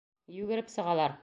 Йүгереп сығалар.